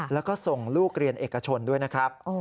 แล้วก็ส่งลูกเรียนเอกชนด้วยนะครับ